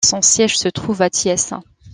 Son siège se trouve à Thiès.